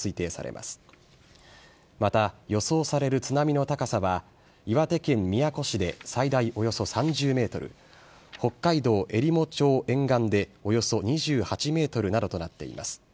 また、予想される津波の高さは岩手県宮古市で最大およそ３０メートル、北海道えりも町沿岸で、およそ２８メートルなどとなっています。